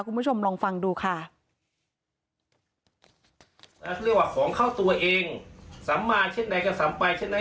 คุณผู้ชมลองฟังดูค่ะเรียกว่าของเข้าตัวเองสำมารถเช่นไหนกันสำไปเช่นไหน